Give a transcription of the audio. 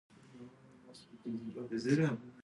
افغانستان د آمو سیند کوربه دی.